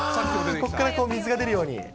ここから水が出るように？